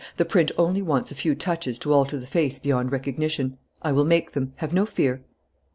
"The print only wants a few touches to alter the face beyond recognition. I will make them. Have no fear."